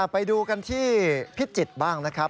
ไปดูกันที่พิจิตรบ้างนะครับ